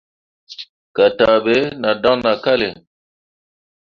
Gataaɓe nah dan nah kalle.